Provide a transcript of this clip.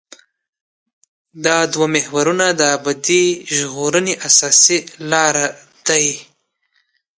دا دوه محورونه د ابدي ژغورنې اساسي لاره دي.